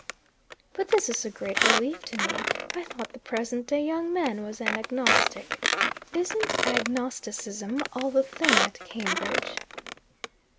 "But this is a great relief to me. I thought the present day young man was an agnostic! Isn't agnosticism all the thing at Cambridge?"